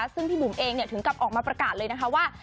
ซึ่งพี่บุ๋มเองถึงกลับออกมาประกาศเลยนะคะว่า